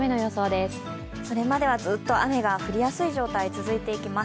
それまではずっと雨が降りやすい状態続いていきます。